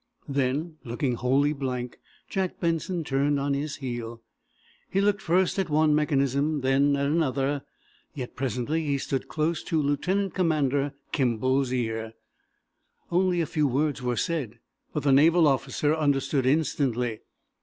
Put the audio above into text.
Then, looking wholly blank, Jack Benson turned on his heel. He looked first at one mechanism, then at another. Yet, presently, stood close to Lieutenant Commander Kimball's ear. Only a few words were said, but the naval officer understood instantly.